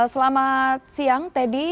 selamat siang teddy